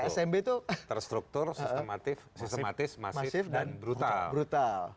tsmb itu terstruktur sistematis masif dan brutal